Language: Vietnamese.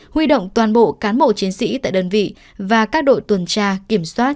huy động toàn bộ cán bộ chiến sĩ tại đơn vị và các đội tuần tra kiểm soát